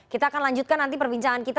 kita akan lanjutkan nanti perbincangan kita